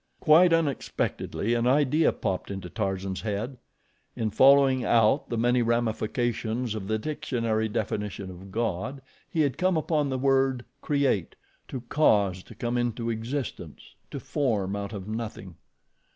Quite unexpectedly an idea popped into Tarzan's head. In following out the many ramifications of the dictionary definition of GOD he had come upon the word CREATE "to cause to come into existence; to form out of nothing."